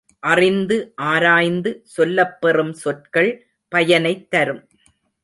அறிந்து ஆராய்ந்து சொல்லப்பெறும் சொற்கள் பயனைத் தரும்.